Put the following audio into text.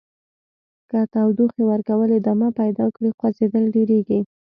که تودوخې ورکول ادامه پیدا کړي خوځیدل ډیریږي.